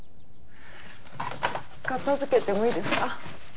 片付けてもいいですか？